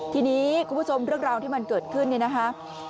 ทีนี้คุณผู้ชมเรื่องราวที่มันเกิดขึ้นเนี่ยนะคะ